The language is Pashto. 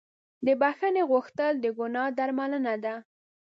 د بښنې غوښتل د ګناه درملنه ده.